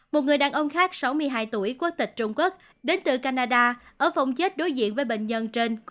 một người đàn ông khác sáu mươi hai tuổi quốc tịch trung quốc đến từ canada ở phòng chết đối diện với bệnh nhân trên